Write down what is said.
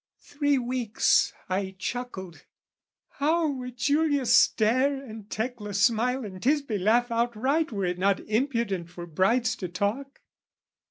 Three weeks, I chuckled "How would Giulia stare, "And Tecla smile and Tisbe laugh outright, "Were it not impudent for brides to talk!"